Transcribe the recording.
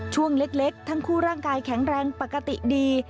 ช่วงเล็กทั้งคู่ร่างกายแข็งแรงปกติดี